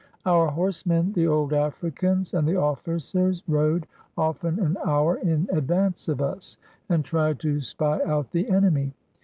Our horsemen, the old Africans and the officers, rode often an hour in advance of us and tried to spy out the enemy.